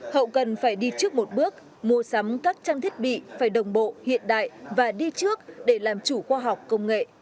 hậu cần phải đi trước một bước mua sắm các trang thiết bị phải đồng bộ hiện đại và đi trước để làm chủ khoa học công nghệ